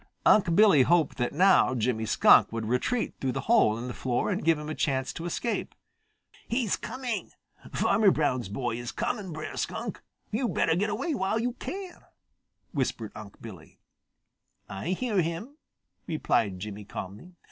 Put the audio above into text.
Unc' Billy hoped that now Jimmy Skunk would retreat through the hole in the floor and give him a chance to escape. "He's coming! Farmer Brown's boy is coming, Brer Skunk! Yo' better get away while yo' can!" whispered Unc' Billy. "I hear him," replied Jimmy calmly.